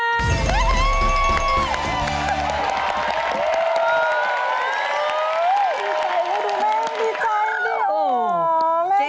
ดีใจนะดูแม่ดีใจนะพี่